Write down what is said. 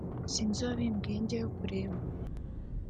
sinzi uwabimbwiye njyayo kureba